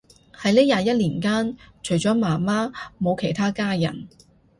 喺呢廿一年間，除咗媽媽冇其他家人